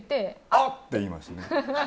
あ！って言いましたね。